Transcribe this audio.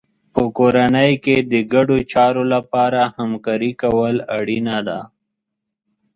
په کورنۍ کې د ګډو چارو لپاره همکاري کول اړینه ده.